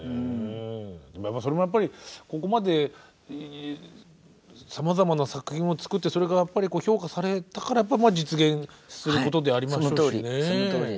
それもやっぱりここまでさまざまな作品を作ってそれが評価されたから実現することでありましょうしね。